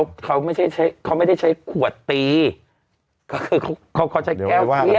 เขาไม่ใช่ใช้เขาไม่ได้ใช้ขวดตีก็คือเขาเขาเขาใช้แก้วเขี้ย